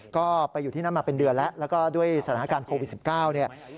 ก็ไปอยู่ที่นั่นมาเป็นเดือนแล้วแล้วก็ด้วยสถานการณ์โควิด๑๙เนี่ย